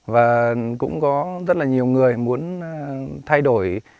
và cũng có rất là nhiều người muốn thay đổi